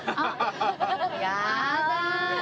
やだ！